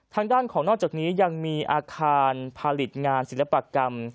ทางด้านของนอกจากนี้ยังมีอาคารผลิตงานศิลปกรรม